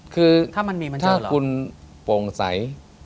คือถ้าคุณโปร่งใส